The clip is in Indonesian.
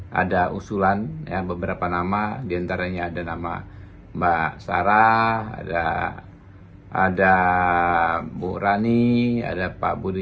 hai ada usulan yang beberapa nama diantaranya ada nama mbak sarah ada ada bu rani ada pak budi